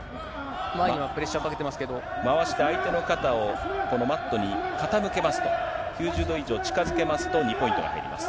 前にはプレッシャーをかけて回して相手の肩をマットに傾けますと、９０度以上近づけますと、２ポイントが入ります。